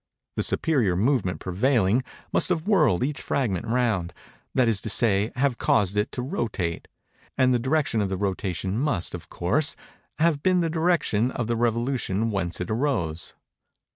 The superior movement prevailing, must have whirled each fragment round—that is to say, have caused it to rotate; and the direction of the rotation must, of course, have been the direction of the revolution whence it arose.